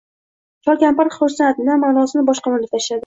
Chol kampir xursan xa manosida bosh qimirlatishadi